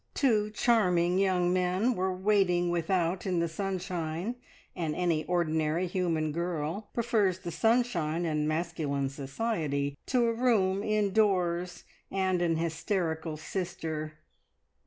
Two charming young men were waiting without in the sunshine, and any ordinary human girl prefers the sunshine and masculine society, to a room indoors and an hysterical sister.